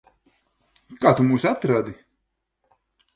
Kā tu mūs atradi?